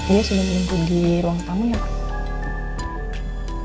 dia sudah menunggu di ruang tamunya pak